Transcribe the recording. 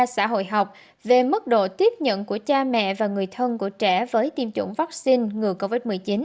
xã hội học về mức độ tiếp nhận của cha mẹ và người thân của trẻ với tiêm chủng vaccine ngừa covid một mươi chín